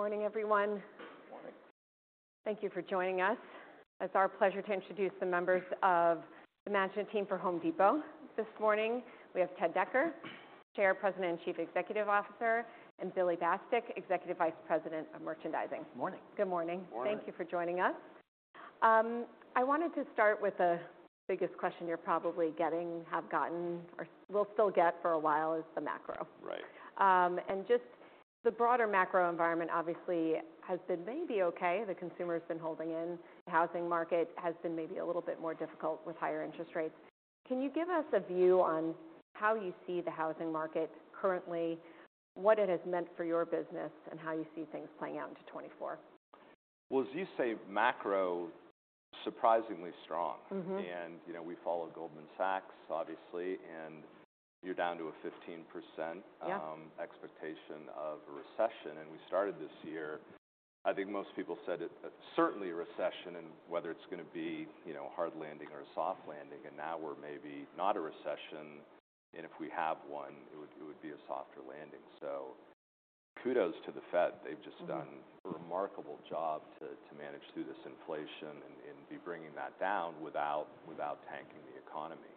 Morning, everyone. Morning. Thank you for joining us. It's our pleasure to introduce the members of the management team for Home Depot. This morning, we have Ted Decker, Chair, President, and Chief Executive Officer, and Billy Bastek, Executive Vice President of Merchandising. Morning. Good morning. Morning. Thank you for joining us. I wanted to start with the biggest question you're probably getting, have gotten, or will still get for a while, is the macro. Right. Just the broader macro environment obviously has been maybe okay. The consumer's been holding in, the housing market has been maybe a little bit more difficult with higher interest rates. Can you give us a view on how you see the housing market currently, what it has meant for your business, and how you see things playing out into 2024? Well, as you say, macro, surprisingly strong. Mm-hmm. And, we follow Goldman Sachs, obviously, and you're down to a 15%- Yeah expectation of a recession. And we started this, I think most people said it, certainly a recession, and whether it's gonna be, a hard landing or a soft landing, and now we're maybe not a recession, and if we have one, it would, it would be a softer landing. So kudos to the Fed. They've just- Mm-hmm Done a remarkable job to manage through this inflation and be bringing that down without tanking the economy.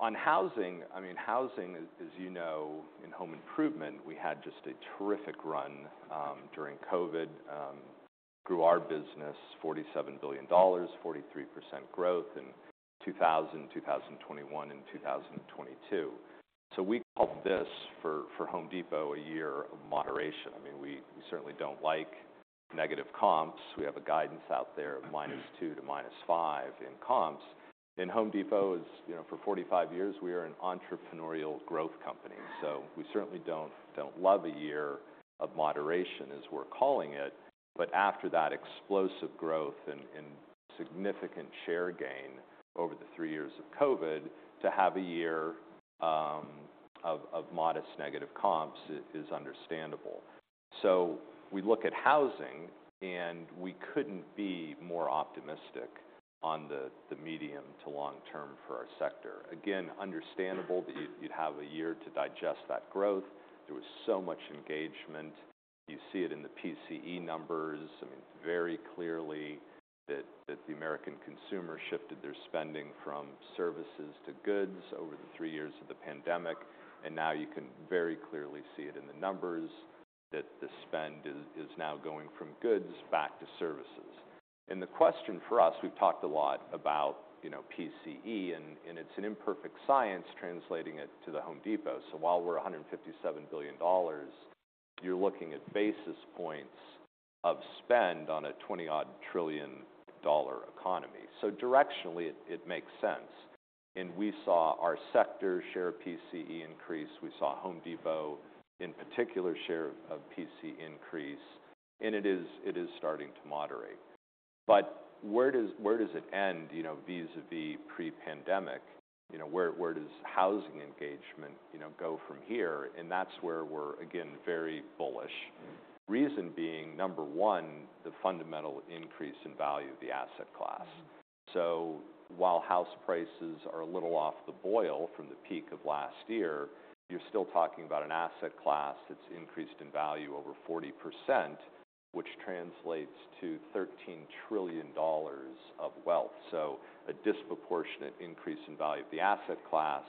On housing, I mean, housing, as you in home improvement, we had just a terrific run during COVID. Grew our business $47 billion, 43% growth in 2021 and 2022. So we call this, for Home Depot, a year of moderation. I mean, we certainly don't like negative comps. We have a guidance out there of -2% to -5% in comps. And Home Depot is, for 45 years, we are an entrepreneurial growth company, so we certainly don't love a year of moderation, as we're calling it. But after that explosive growth and significant share gain over the three years of COVID, to have a year of modest negative comps is understandable. So we look at housing, and we couldn't be more optimistic on the medium to long term for our sector. Again, understandable that you'd have a year to digest that growth. There was so much engagement. You see it in the PCE numbers. I mean, very clearly that the American consumer shifted their spending from services to goods over the three years of the pandemic. And now you can very clearly see it in the numbers, that the spend is now going from goods back to services. And the question for us—we've talked a lot about, PCE, and it's an imperfect science, translating it to The Home Depot. So while we're $157 billion, you're looking at basis points of spend on a $20-odd trillion economy. So directionally, it makes sense. And we saw our sector share of PCE increase. We saw Home Depot, in particular, share of PCE increase, and it is starting to moderate. But where does it end, vis-à-vis pre-pandemic? Where does housing engagement, go from here? And that's where we're, again, very bullish. Reason being, number one, the fundamental increase in value of the asset class. Mm-hmm. So while house prices are a little off the boil from the peak of last year, you're still talking about an asset class that's increased in value over 40%, which translates to $13 trillion of wealth. So a disproportionate increase in value of the asset class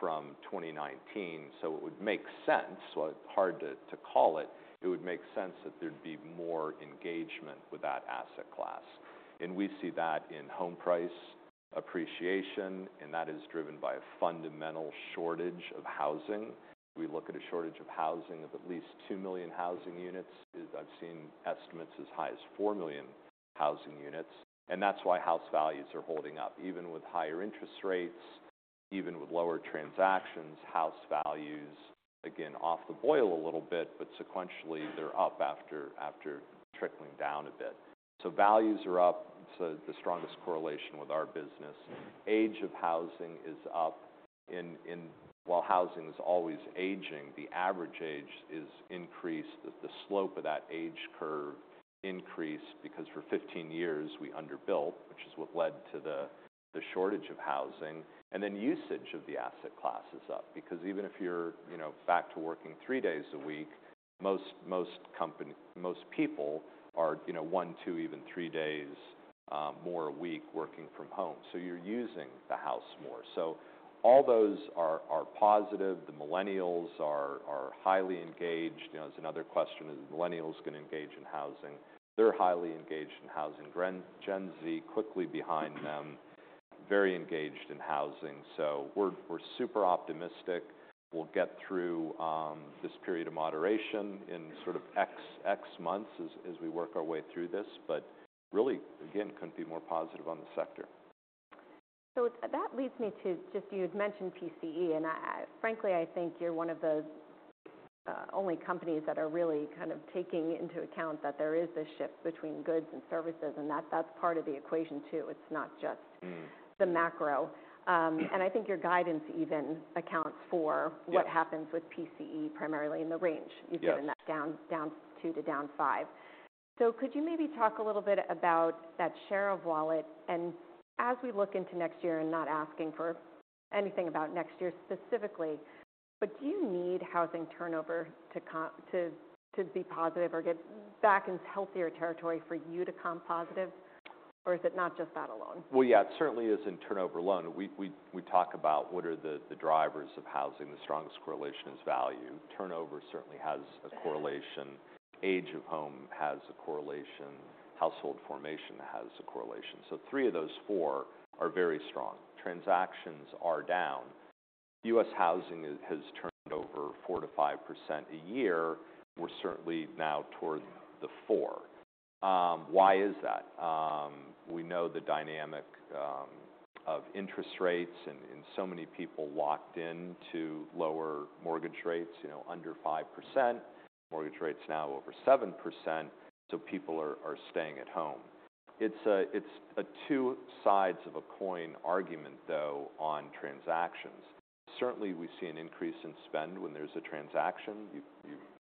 from 2019. So it would make sense, well, hard to, to call it, it would make sense that there'd be more engagement with that asset class, and we see that in home price appreciation, and that is driven by a fundamental shortage of housing. We look at a shortage of housing of at least 2 million housing units. I've seen estimates as high as 4 million housing units, and that's why house values are holding up. Even with higher interest rates, even with lower transactions, house values, again, off the boil a little bit, but sequentially, they're up after trickling down a bit. So values are up. It's the strongest correlation with our business. Age of housing is up. While housing is always aging, the average age is increased. The slope of that age curve increased because for 15 years we underbuilt, which is what led to the shortage of housing. And then usage of the asset class is up, because even if you're, back to working three days a week, most people are, one, two, even three days more a week working from home, so you're using the house more. So all those are positive. The millennials are highly engaged. There's another question, is millennials going to engage in housing? They're highly engaged in housing. Gen Z, quickly behind them, very engaged in housing. So we're super optimistic. We'll get through this period of moderation in sort of X, X months as we work our way through this. But really, again, couldn't be more positive on the sector. So that leads me to just you had mentioned PCE, and frankly, I think you're one of the only companies that are really kind of taking into account that there is a shift between goods and services, and that's, that's part of the equation, too. It's not just- Mm The macro. And I think your guidance even accounts for- Yeah What happens with PCE, primarily in the range. Yes. You've done that down, down 2 to down 5.... So could you maybe talk a little bit about that share of wallet? And as we look into next year, and not asking for anything about next year specifically, but do you need housing turnover to be positive or get back into healthier territory for you to comp positive, or is it not just that alone? Well, yeah, it certainly isn't turnover alone. We talk about what are the drivers of housing. The strongest correlation is value. Turnover certainly has a correlation- Yeah. Age of home has a correlation, household formation has a correlation. So three of those four are very strong. Transactions are down. U.S. housing has turned over 4%-5% a year. We're certainly now toward the four. Why is that? We know the dynamic of interest rates and so many people locked in to lower mortgage rates, under 5%. Mortgage rates now over 7%, so people are staying at home. It's a two sides of a coin argument, though, on transactions. Certainly, we see an increase in spend when there's a transaction. You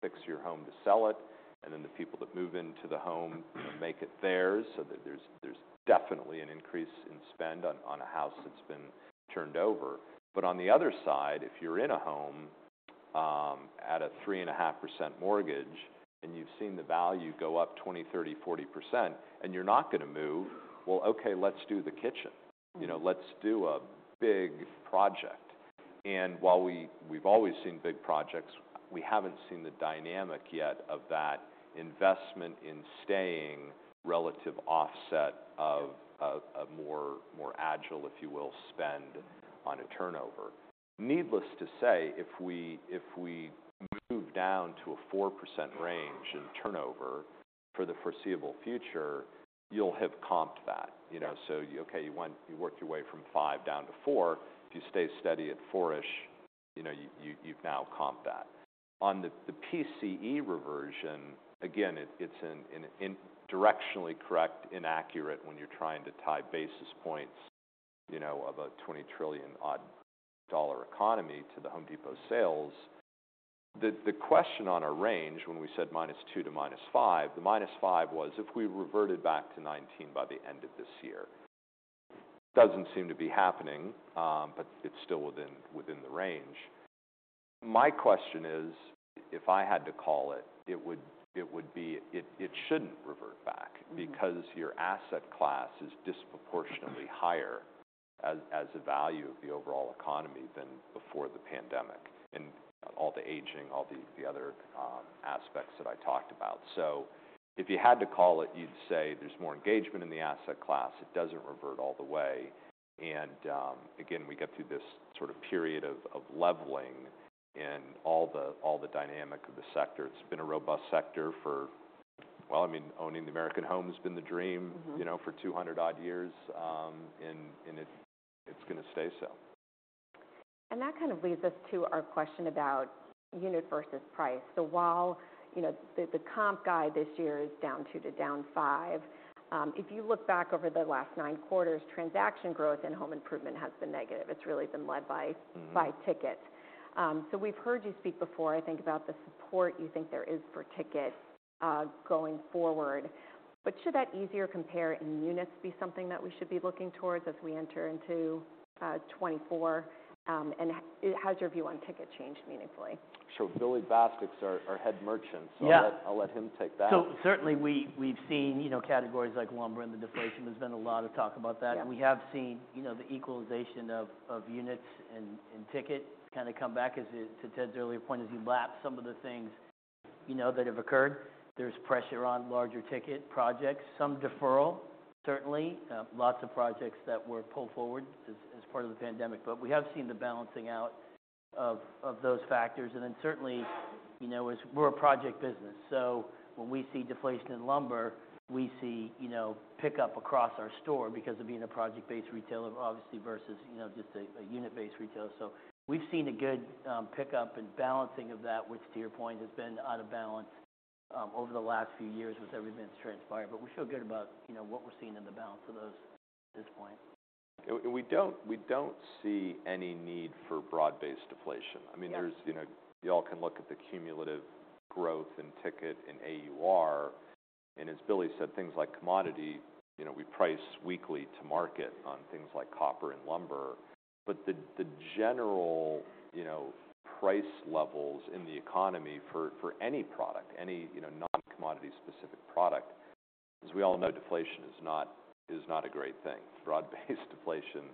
fix your home to sell it, and then the people that move into the home make it theirs. So there's definitely an increase in spend on a house that's been turned over. But on the other side, if you're in a home at a 3.5% mortgage, and you've seen the value go up 20, 30, 40% and you're not gonna move, well, okay, let's do the kitchen. Let's do a big project. And while we've always seen big projects, we haven't seen the dynamic yet of that investment in staying relative offset of a more agile, if you will, spend on a turnover. Needless to say, if we move down to a 4% range in turnover for the foreseeable future, you'll have comped that? So, okay, you went, you worked your way from 5 down to 4. If you stay steady at 4-ish, you've now comped that. On the PCE reversion, again, it's directionally correct, inaccurate when you're trying to tie basis points, of a $20 trillion-odd dollar economy to The Home Depot sales. The question on our range, when we said -2 to -5, the -5 was if we reverted back to 2019 by the end of this year. Doesn't seem to be happening, but it's still within the range. My question is, if I had to call it, it would be... it shouldn't revert back- Mm-hmm. Because your asset class is disproportionately higher as a value of the overall economy than before the pandemic, and all the aging, all the other aspects that I talked about. So if you had to call it, you'd say there's more engagement in the asset class. It doesn't revert all the way. And again, we get through this sort of period of leveling in all the dynamic of the sector. It's been a robust sector for... Well, I mean, owning the American home has been the dream- Mm-hmm. For 200-odd years, and it, it's gonna stay so. That kind of leads us to our question about unit versus price. So while, the comp guide this year is down 2-down 5, if you look back over the last Q9, transaction growth and home improvement has been negative. It's really been led by- Mm-hmm By ticket. So we've heard you speak before, I think, about the support you think there is for ticket going forward. But should that easier compare in units be something that we should be looking towards as we enter into 2024? And has your view on ticket changed meaningfully? Sure. Billy Bastek, our head merchant. Yeah. So I'll let him take that. So certainly we've seen, categories like lumber and the deflation. There's been a lot of talk about that. Yeah. We have seen, the equalization of units and ticket kind of come back, to Ted's earlier point, as you lap some of the things, that have occurred. There's pressure on larger ticket projects, some deferral, certainly. Lots of projects that were pulled forward as part of the pandemic, but we have seen the balancing out of those factors. And then certainly, as we're a project business, so when we see deflation in lumber, we see, pickup across our store because of being a project-based retailer, obviously, versus just a unit-based retailer. So we've seen a good pickup and balancing of that, which to your point, has been out of balance over the last few years with everything that's transpired. But we feel good about, what we're seeing in the balance of those at this point. We don't see any need for broad-based deflation. Yeah. I mean, there's., you all can look at the cumulative growth in ticket and AUR, and as Billy said, things like commodity, we price weekly to market on things like copper and lumber. But the general, price levels in the economy for, for any product, any, non-commodity specific product, as we all know, deflation is not a great thing. Broad-based deflation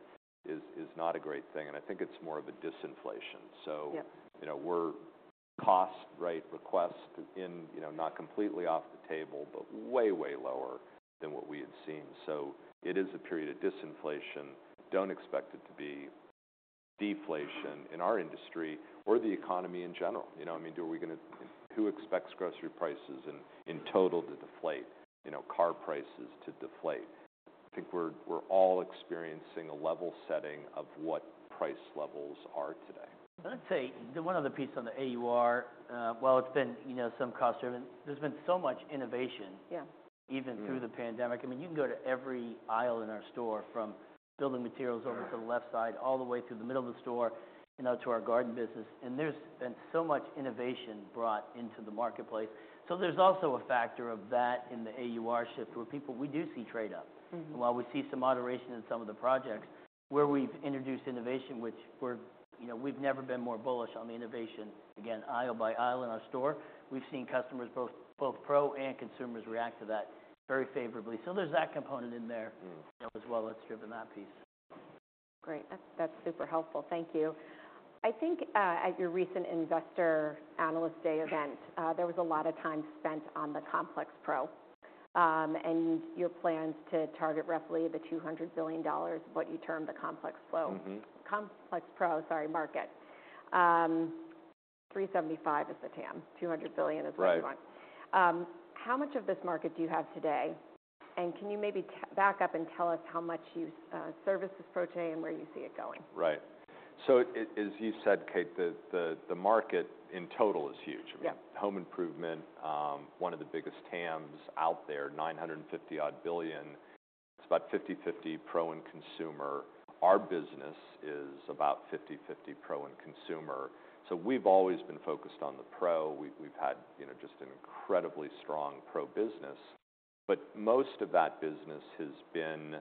is not a great thing, and I think it's more of a disinflation. Yeah. So, we're cost rate requests in, not completely off the table, but way, way lower than what we had seen. It is a period of disinflation. Don't expect it to be deflation in our industry or the economy in general. I mean, do we gonna, who expects grocery prices in total to deflate, car prices to deflate? I think we're all experiencing a level setting of what price levels are today. Let's say, the one other piece on the AUR, while it's been, some cost driven, there's been so much innovation- Yeah Even through the pandemic. I mean, you can go to every aisle in our store, from building materials over to the left side, all the way through the middle of the store, to our garden business, and there's been so much innovation brought into the marketplace. So there's also a factor of that in the AUR shift, where people, we do see trade-up. Mm-hmm. While we see some moderation in some of the projects, where we've introduced innovation, which we're,, we've never been more bullish on the innovation. Again, aisle by aisle in our store, we've seen customers, both, both pro and consumers, react to that very favorably. So there's that component in there- Mm. As well, that's driven that piece. Great. That's, that's super helpful. Thank you. I think at your recent Investor Analyst Day event there was a lot of time spent on the complex pro and your plans to target roughly $200 billion, what you term the complex flow- Mm-hmm. Complex pro, sorry, market. 375 is the TAM, $200 billion is what you want. Right. How much of this market do you have today? And can you maybe back up and tell us how much you service this pro today and where you see it going? Right. So as you said, Kate, the market in total is huge. Yeah. Home improvement, one of the biggest TAMs out there, $950 billion. It's about 50/50 pro and consumer. Our business is about 50/50 pro and consumer. So we've always been focused on the pro. We've had, just an incredibly strong pro business, but most of that business has been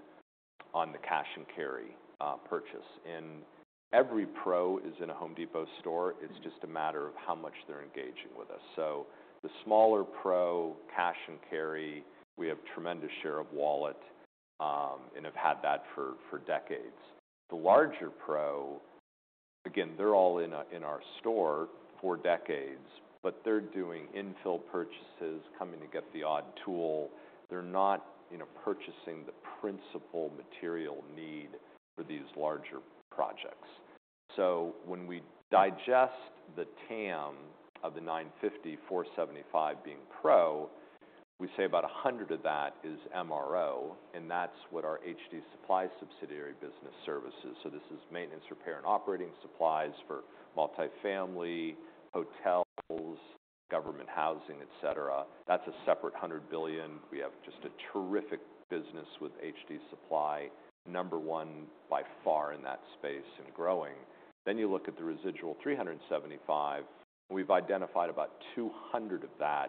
on the cash and carry purchase. And every pro is in a Home Depot store. It's just a matter of how much they're engaging with us. So the smaller pro, cash and carry, we have tremendous share of wallet, and have had that for decades. The larger pro, again, they're all in our store for decades, but they're doing infill purchases, coming to get the odd tool. They're not, purchasing the principal material need for these larger projects. So when we digest the TAM of the $950 billion, $475 billion being pro, we say about $100 billion of that is MRO, and that's what our HD Supply subsidiary business services. So this is maintenance, repair, and operating supplies for multifamily, hotels, government housing, et cetera. That's a separate $100 billion. We have just a terrific business with HD Supply, number one, by far, in that space and growing. Then you look at the residual $375 billion, we've identified about $200 billion of that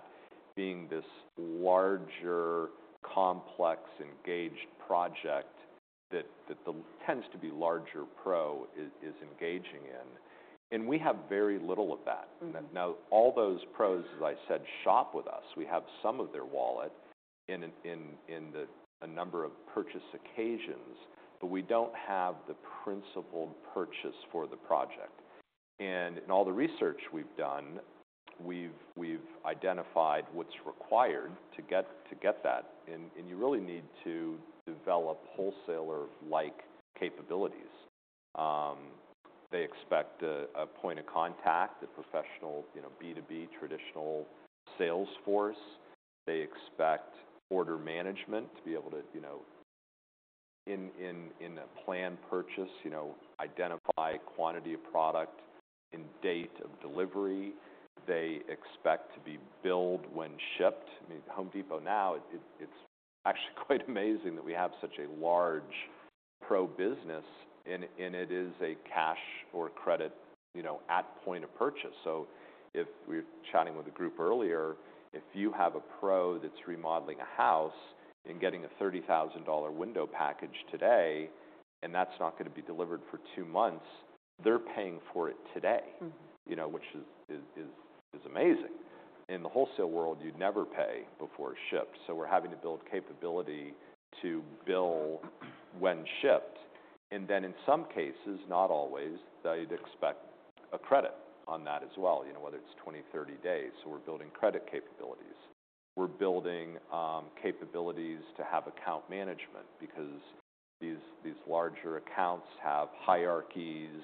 being this larger, complex, engaged project that the tends to be larger pros is engaging in, and we have very little of that. Mm. Now, all those pros, as I said, shop with us. We have some of their wallet in a number of purchase occasions, but we don't have the principal purchase for the project. And in all the research we've done, we've identified what's required to get that. And you really need to develop wholesaler-like capabilities. They expect a point of contact, a professional, B2B traditional sales force. They expect order management to be able to, in a planned purchase, identify quantity of product and date of delivery. They expect to be billed when shipped. I mean, Home Depot now, it's actually quite amazing that we have such a large pro business, and it is a cash or credit, at point of purchase. So if... We were chatting with a group earlier, if you have a pro that's remodeling a house and getting a $30,000 window package today, and that's not going to be delivered for two months, they're paying for it today. Mm. Which is amazing. In the wholesale world, you'd never pay before it's shipped, so we're having to build capability to bill when shipped. And then in some cases, not always, they'd expect a credit on that as well, whether it's 20, 30 days, so we're building credit capabilities. We're building capabilities to have account management because these larger accounts have hierarchies,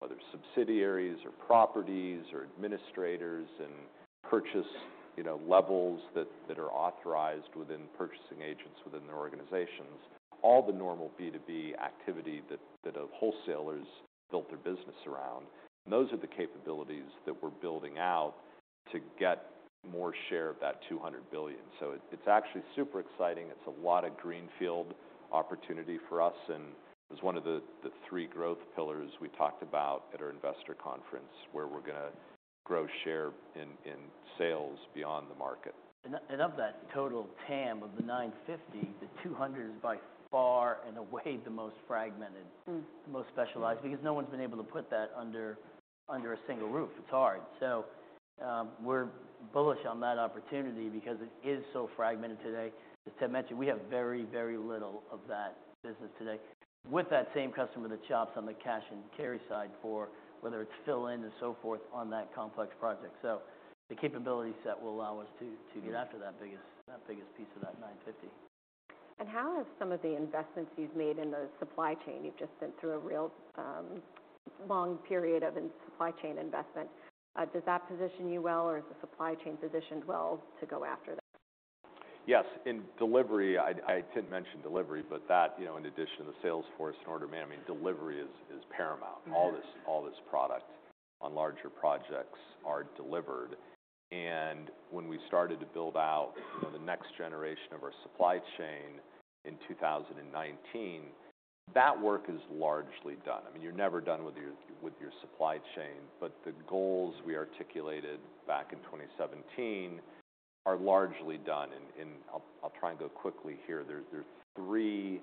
whether subsidiaries, or properties, or administrators, and purchase, levels that are authorized within purchasing agents within their organizations. All the normal B2B activity that a wholesaler's built their business around, those are the capabilities that we're building out to get more share of that $200 billion. So it's actually super exciting. It's a lot of greenfield opportunity for us, and it's one of the three growth pillars we talked about at our investor conference, where we're gonna grow share in sales beyond the market. And, of that total TAM of $950 billion, the $200 billion is by far and away the most fragmented- Mm. most specialized, because no one's been able to put that under, under a single roof. It's hard. So, we're bullish on that opportunity because it is so fragmented today. As Ted mentioned, we have very, very little of that business today, with that same customer that shops on the cash and carry side for, whether it's fill-in and so forth, on that complex project. So the capability set will allow us to- Mm To get after that biggest piece of that $950 billion. How have some of the investments you've made in the supply chain, you've just been through a real, long period of in supply chain investment, does that position you well, or is the supply chain positioned well to go after that? Yes. In delivery, I didn't mention delivery, but that, in addition to the sales force and order management, I mean, delivery is paramount- Mm-hmm All this, all this product on larger projects are delivered. And when we started to build out, the next generation of our supply chain in 2019, that work is largely done. I mean, you're never done with your supply chain, but the goals we articulated back in 2017 are largely done. And I'll try and go quickly here. There are three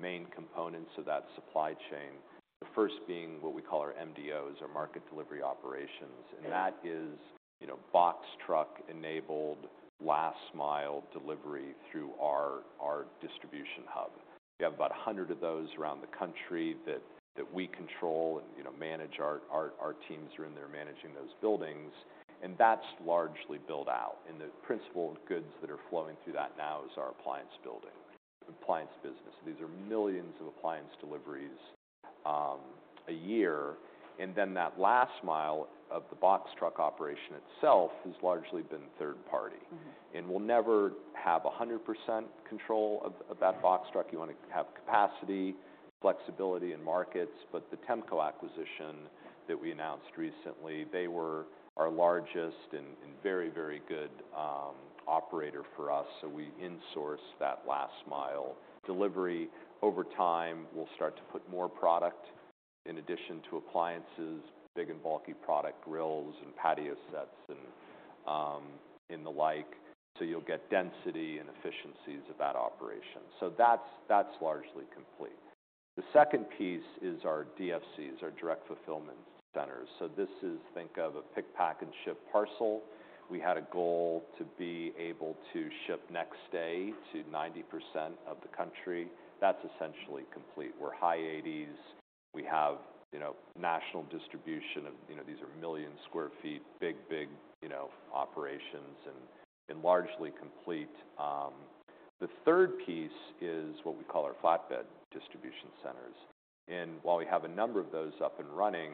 main components to that supply chain. The first being what we call our MDOs, our Market Delivery Operations. Yeah. That is, box truck-enabled, last mile delivery through our distribution hub. We have about 100 of those around the country that we control and, manage. Our teams are in there managing those buildings, and that's largely built out. And the principal goods that are flowing through that now is our appliance, building appliance business. These are millions of appliance deliveries a year. And then that last mile of the box truck operation itself has largely been third party. Mm-hmm. We'll never have 100% control of, of that box truck. You want to have capacity, flexibility, and markets, but the Temco acquisition that we announced recently, they were our largest and, and very, very good operator for us. So we insourced that last mile delivery. Over time, we'll start to put more product in addition to appliances, big and bulky product grills and patio sets, and, and the like, so you'll get density and efficiencies of that operation. So that's, that's largely complete. The second piece is our DFCs, our Direct Fulfillment Centers. So this is... think of a pick, pack, and ship parcel. We had a goal to be able to ship next day to 90% of the country. That's essentially complete. We're high 80s%. We have, national distribution of these are 1 million sq ft, big, big, operations and largely complete. The third piece is what we call our flatbed distribution centers. And while we have a number of those up and running,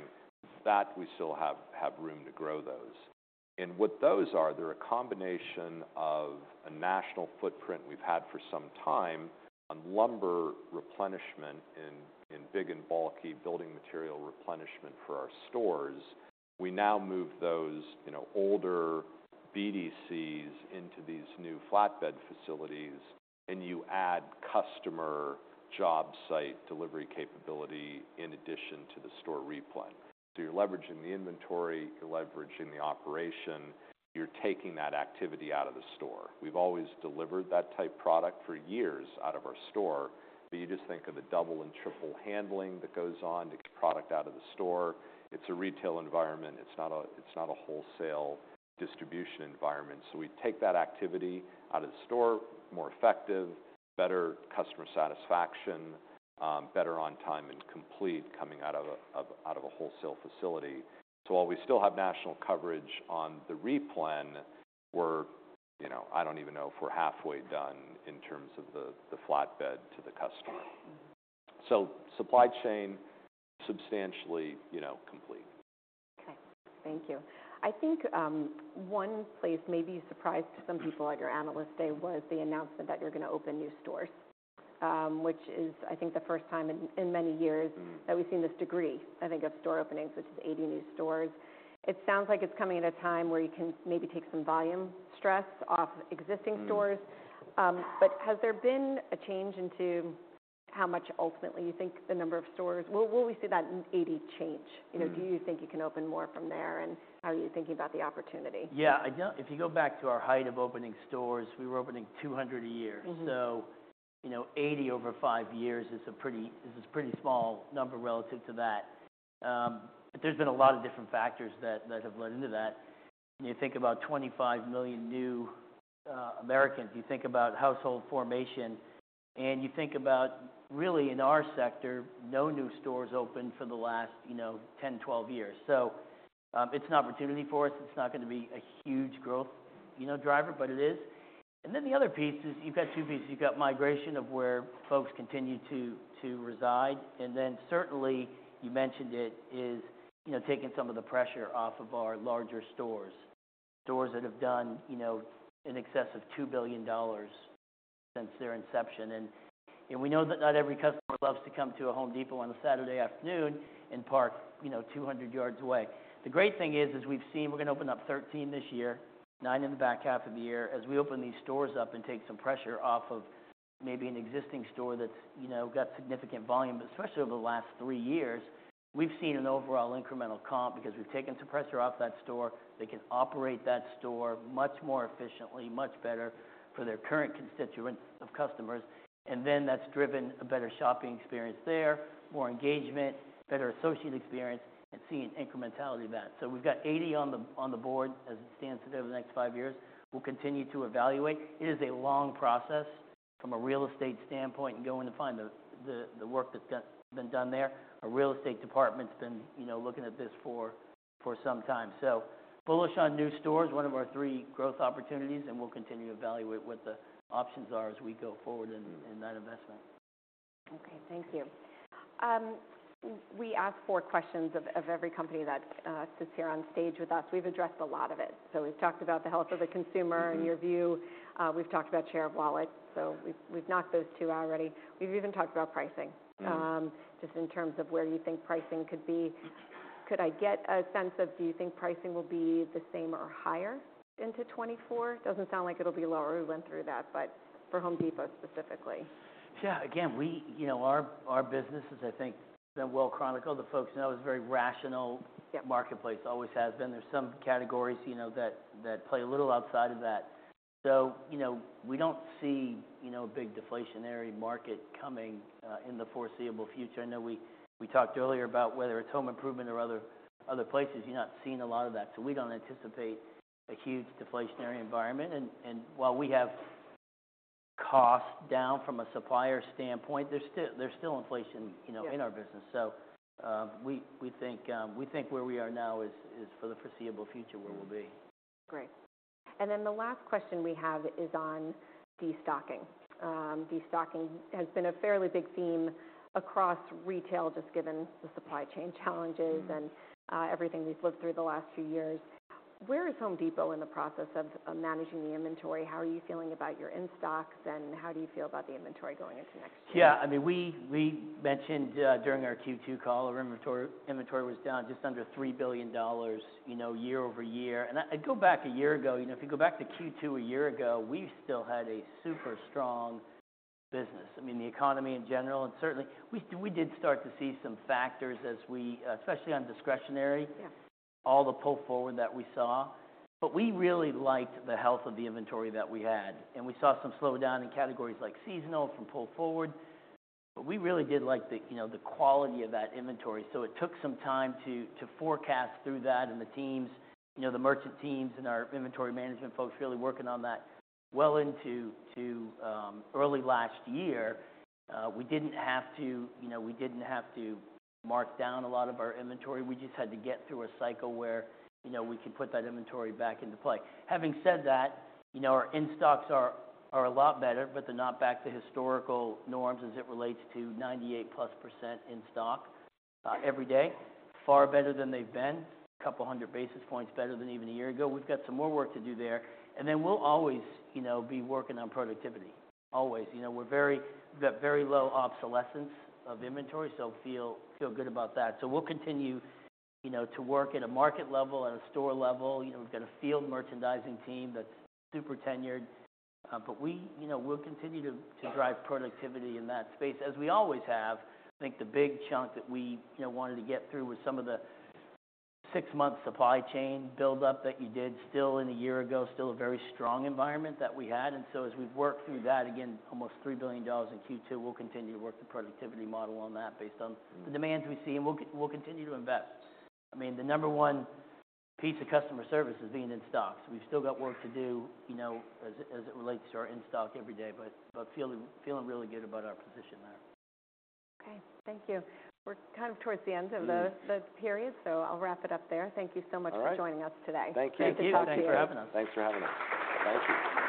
that we still have room to grow those. And what those are, they're a combination of a national footprint we've had for some time on lumber replenishment in big and bulky building material replenishment for our stores. We now move those, older BDCs into these new flatbed facilities, and you add customer job site delivery capability in addition to the store replen. So you're leveraging the inventory, you're leveraging the operation, you're taking that activity out of the store. We've always delivered that type of product for years out of our store, but you just think of the double and triple handling that goes on to get product out of the store. It's a retail environment, it's not a, it's not a wholesale distribution environment. So we take that activity out of the store, more effective, better customer satisfaction, better on time and complete coming out of a, out of a wholesale facility. So while we still have national coverage on the replen, we're,I don't even know if we're halfway done in terms of the, the flatbed to the customer. Mm-hmm. Supply chain, substantially, complete. Okay, thank you. I think, one place maybe you surprised some people at your Analyst Day, was the announcement that you're going to open new stores. Which is, I think, the first time in many years- Mm. That we've seen this degree, I think, of store openings, which is 80 new stores. It sounds like it's coming at a time where you can maybe take some volume stress off existing stores. Mm. But has there been a change in how much ultimately you think the number of stores... Will we see that 80 change? Mm. Do you think you can open more from there, and how are you thinking about the opportunity? Yeah, if you go back to our height of opening stores, we were opening 200 a year. Mm-hmm. So, 80 over five years is a pretty, is a pretty small number relative to that. But there's been a lot of different factors that, that have led into that. When you think about 25 million new Americans, you think about household formation, and you think about really, in our sector, no new stores opened for the last,10, 12 years. So, it's an opportunity for us. It's not going to be a huge growth, driver, but it is. And then the other piece is, you've got two pieces. You've got migration of where folks continue to, to reside, and then certainly, you mentioned it, is, taking some of the pressure off of our larger stores. Stores that have done, in excess of $2 billion since their inception, and, and we know that not every customer loves to come to a Home Depot on a Saturday afternoon and park, 200 yards away. The great thing is, as we've seen, we're going to open up 13 this year, 9 in the back half of the year. As we open these stores up and take some pressure off of maybe an existing store that's, got significant volume, but especially over the last three years, we've seen an overall incremental comp because we've taken some pressure off that store. They can operate that store much more efficiently, much better for their current constituents of customers, and then that's driven a better shopping experience there, more engagement, better associate experience, and seeing incrementality of that. So we've got 80 on the board as it stands today, over the next five years. We'll continue to evaluate. It is a long process from a real estate standpoint, and going to find the work that's been done there. Our real estate department's been, looking at this for some time. So bullish on new stores, one of our three growth opportunities, and we'll continue to evaluate what the options are as we go forward in that investment. Okay, thank you. We ask four questions of every company that sits here on stage with us. We've addressed a lot of it. So we've talked about the health of the consumer- Mm-hmm. And your view. We've talked about share of wallet, so we've, we've knocked those two out already. We've even talked about pricing. Mm. Just in terms of where you think pricing could be.... Could I get a sense of, do you think pricing will be the same or higher into 2024? Doesn't sound like it'll be lower. We went through that, but for Home Depot specifically. Yeah, again, we, our business is, I think, been well chronicled. The folks know it's a very rational- Yeah Marketplace. Always has been. There's some categories, that play a little outside of that. So, we don't see, a big deflationary market coming in the foreseeable future. I know we talked earlier about whether it's home improvement or other places, you're not seeing a lot of that. So we don't anticipate a huge deflationary environment. And while we have costs down from a supplier standpoint, there's still inflation. Yeah in our business. So, we think where we are now is for the foreseeable future, where we'll be. Great. Then the last question we have is on destocking. Destocking has been a fairly big theme across retail, just given the supply chain challenges- Mm-hmm And, everything we've lived through the last few years. Where is Home Depot in the process of managing the inventory? How are you feeling about your in-stocks, and how do you feel about the inventory going into next year? Yeah, I mean, we mentioned during our Q2 call, our inventory was down just under $3 billion, year-over-year. And I'd go back a year ago, if you go back to Q2 a year ago, we still had a super strong business. I mean, the economy in general, and certainly... We did start to see some factors as we especially on discretionary- Yeah All the pull forward that we saw. But we really liked the health of the inventory that we had, and we saw some slowdown in categories like seasonal from pull forward. But we really did like the, the quality of that inventory. So it took some time to forecast through that and the teams, the merchant teams and our inventory management folks really working on that well into early last year. We didn't have to, we didn't have to mark down a lot of our inventory. We just had to get through a cycle where, we could put that inventory back into play. Having said that, our in-stocks are a lot better, but they're not back to historical norms as it relates to 98%+ in stock every day. Far better than they've been, 200 basis points better than even a year ago. We've got some more work to do there, and then we'll always, be working on productivity. Always. We're very, we've got very low obsolescence of inventory, so feel good about that. So we'll continue, to work at a market level, at a store level. We've got a field merchandising team that's super tenured, but we, we'll continue to drive productivity in that space, as we always have. I think the big chunk that we, wanted to get through was some of the 6-month supply chain buildup that you did still in a year ago, still a very strong environment that we had. So as we've worked through that, again, almost $3 billion in Q2, we'll continue to work the productivity model on that based on the demands we see, and we'll, we'll continue to invest. I mean, the number one piece of customer service is being in stock, so we've still got work to do, as it, as it relates to our in-stock every day, but, but feeling, feeling really good about our position there. Okay, thank you. We're kind of towards the end of the- Mm-hmm the period, so I'll wrap it up there. All right Thank you so much for joining us today. Thank you. Thank you. Thanks for having us. Thanks for having us. Thank you.